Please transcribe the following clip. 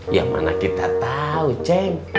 ya mana kita tau cek